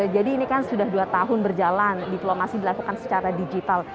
jadi ini kan sudah dua tahun berjalan diplomasi dilakukan secara digital